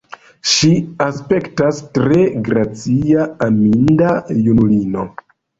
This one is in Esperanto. Ŝi aspektas tre gracia, aminda junulino.